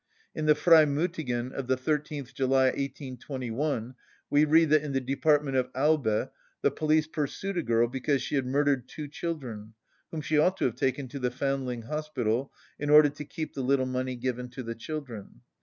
In the Freimüthigen of the 13th July 1821 we read that in the department of Aube the police pursued a girl because she had murdered two children, whom she ought to have taken to the foundling hospital, in order to keep the little money given to the children.